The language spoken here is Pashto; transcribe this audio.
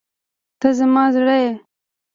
ته زما زړه یې.